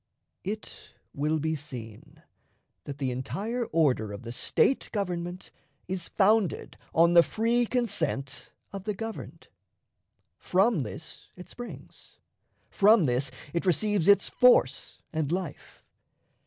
It will be seen that the entire order of the State government is founded on the free consent of the governed. From this it springs; from this it receives its force and life.